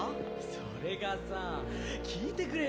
それがさ聞いてくれよ。